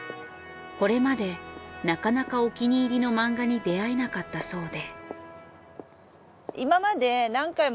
これまでなかなかお気に入りの漫画に出会えなかったそうで。